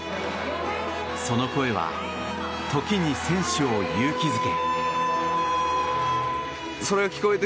その声は時に選手を勇気づけ。